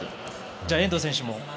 じゃあ、遠藤選手も？